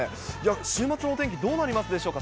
週末のお天気、どうなりますでしょうか。